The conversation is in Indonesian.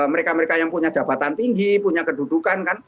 mereka mereka yang punya jabatan tinggi punya kedudukan kan